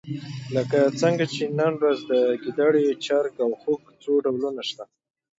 لکه څرنګه چې نن ورځ د ګېدړې، چرګ او خوګ څو ډولونه شته.